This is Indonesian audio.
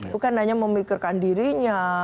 bukan hanya memikirkan dirinya